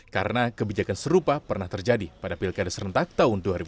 karena kebijakan serupa pernah terjadi pada pilkada serentak tahun dua ribu lima belas